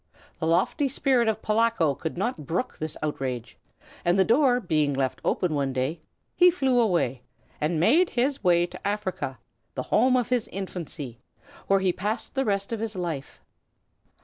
The lofty spirit of Polacko could not brook this outrage, and the door being left open one day he flew away and made his way to Africa, the home of his infancy, where he passed the rest of his life.